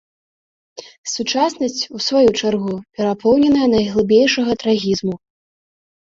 Сучаснасць, у сваю чаргу, перапоўненая найглыбейшага трагізму.